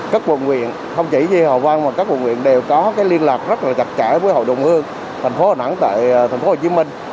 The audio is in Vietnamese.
các quận nguyện không chỉ như hà quang mà các quận nguyện đều có liên lạc rất là chặt chẽ với hội đồng hương thành phố đà nẵng tại thành phố hồ chí minh